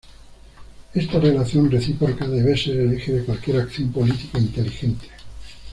Esta relación recíproca debe ser el eje de cualquier acción política inteligente.